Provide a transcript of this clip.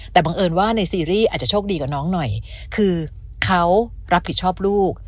แต่บังเอิญว่าในซีรีส์อาจจะโชคดีกว่าน้องหน่อยคือเขารับผิดชอบลูก